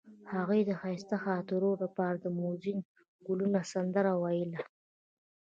هغې د ښایسته خاطرو لپاره د موزون ګلونه سندره ویله.